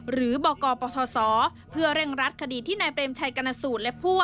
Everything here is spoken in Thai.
หรือบอกกตศเพื่อเร่งรัดคดีที่นายเปรริมชัยกนะสูตร